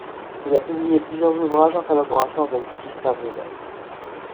Il a publié plusieurs ouvrages en collaboration avec Guy Stavridès.